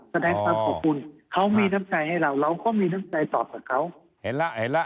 แสดงความขอบคุณเขามีน้ำใจให้เราเราก็มีน้ำใจตอบกับเขา